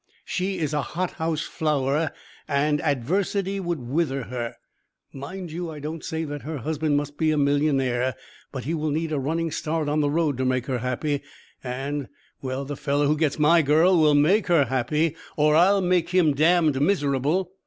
She is a hothouse flower, and adversity would wither her. Mind you, I don't say that her husband must be a millionaire, but he will need a running start on the road to make her happy, and well, the fellow who gets my girl will make her happy or I'll make him damned miserable!"